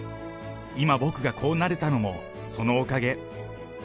今、僕がこうなれたのもそのおかげ。